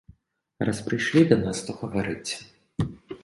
Раз прышлі да нас, то гаварыце.